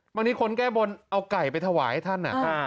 บางทีคนแก้บนเอาไก่ไปถวายให้ท่าน